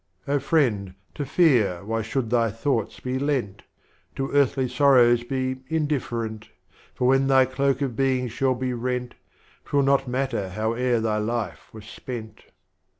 Oh, Friend, to Fear why should Thy Thoughts be lent? To Earthly Sorrows be indifferent, For when Thy Cloak of Being shall be rent, 'T will matter not howe'er Thy Life was spent.